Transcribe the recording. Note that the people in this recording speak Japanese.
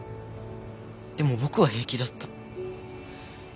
でも僕は平気だった。